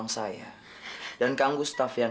saya tidak akan menyakiti kamu